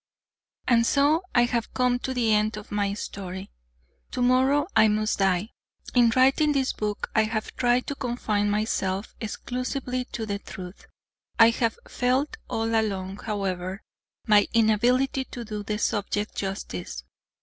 And so I have come to the end of my story. Tomorrow I must die. In writing this book, I have tried to confine myself exclusively to the truth. I have felt all along, however, my inability to do the subject justice.